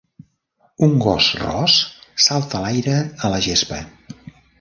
Un gos ros salta a l'aire a la gespa.